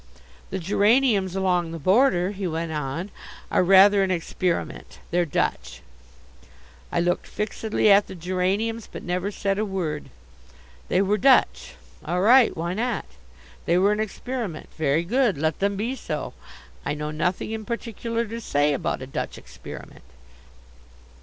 "The geraniums along the border," he went on, "are rather an experiment. They're Dutch." I looked fixedly at the geraniums but never said a word. They were Dutch; all right, why not? They were an experiment. Very good; let them be so. I know nothing in particular to say about a Dutch experiment.